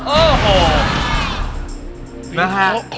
โอ้โห